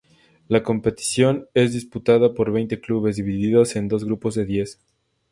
La competición es disputada por veinte clubes, divididos en dos grupos de diez.